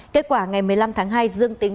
kết quả ngày một mươi năm tháng hai dương tính